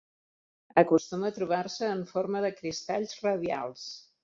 Acostuma a trobar-se en forma de cristalls radials.